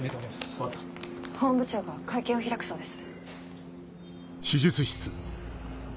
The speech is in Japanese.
・分かった・本部長が会見を開くそうです。